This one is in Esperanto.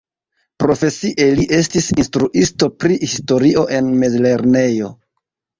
Profesie li estis instruisto pri historio en mezlernejo.